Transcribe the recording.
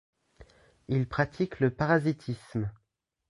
Ils pratiquent le parasitisme.